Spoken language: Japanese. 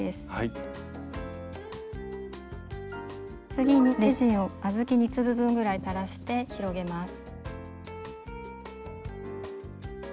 次にレジンを小豆２粒分ぐらい垂らして広げます。